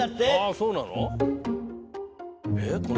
そうなの？